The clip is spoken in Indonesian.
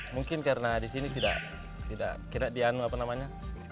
mungkin karena di sini tidak dianu apa namanya